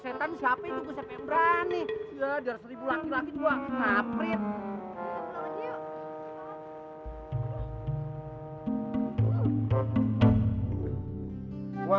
setan siapa itu sepenuhnya nih ya dari pulang lagi lagi gua ngapain